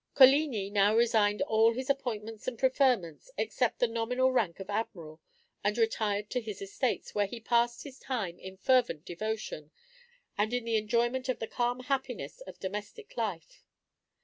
Coligni now resigned all his appointments and preferments, except the nominal rank of admiral, and retired to his estates, where he passed his time in fervent devotion, and in the enjoyment of the calm happiness of domestic life.